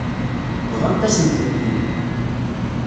Bḍant-asen-tent-id.